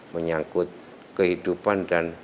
menyangkut kehidupan dan